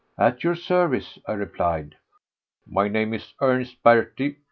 "At your service," I replied. "My name is Ernest Berty.